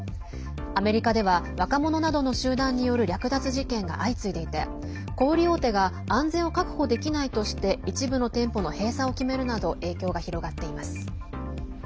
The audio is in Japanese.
アメリカでは若者などの集団による略奪事件が相次いでいて小売大手が安全を確保できないとして一部の店舗の閉鎖を決めるなど影響が広がっています。